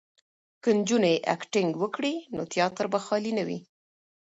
که نجونې اکټینګ وکړي نو تیاتر به خالي نه وي.